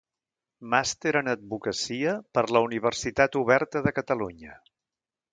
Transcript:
Màster en Advocacia per la Universitat Oberta de Catalunya.